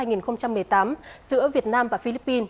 giữa việt nam và philippines